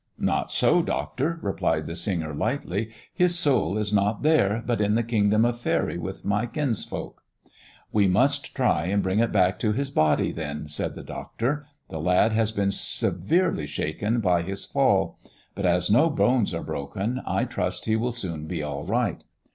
"Not so, doctor," replied the singer lightly, "his soul i not th^re, but in the kingdom of faery with my kinsfolk." " We must try and bring it back to his body then," saic the doctor. " The lad has been severely shaken by hit fall ; but as no bones are broken I trust he will soon be all right.